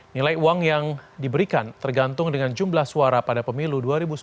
nilai uang yang diberikan tergantung dengan jumlah suara pada pemilu dua ribu sembilan belas